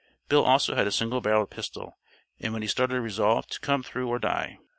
Bill also had a single barrelled pistol, and when he started resolved to "come through or die."